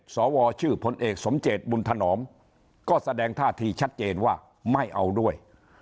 สวชื่อพลเอกสมเจตบุญถนอมก็แสดงท่าทีชัดเจนว่าไม่เอาด้วย